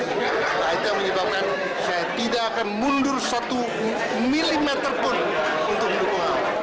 nah itu yang menyebabkan saya tidak akan mundur satu milimeter pun untuk mendukung ahok